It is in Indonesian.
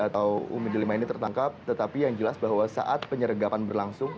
atau umi delima ini tertangkap tetapi yang jelas bahwa saat penyergapan berlangsung